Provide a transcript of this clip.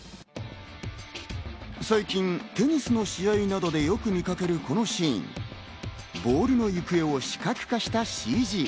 最近テニスの試合などでよく見かける、このシーン、ボールの行方を視覚化したＣＧ。